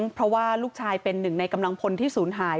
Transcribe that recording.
เพราะว่าลูกชายเป็นหนึ่งในกำลังพลที่ศูนย์หาย